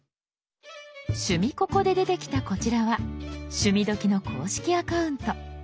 「趣味ココ」で出てきたこちらは「趣味どきっ！」の公式アカウント。